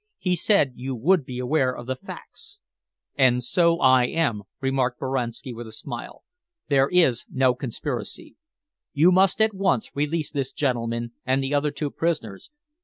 He said you would be aware of the facts." "And so I am," remarked Boranski, with a smile. "There is no conspiracy. You must at once release this gentleman and the other two prisoners."